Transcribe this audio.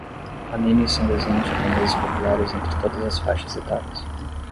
Animes são desenhos japoneses populares entre todas as faixas etárias